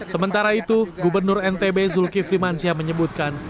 sementara itu gubernur ntb zulkifli mansyah menyebutkan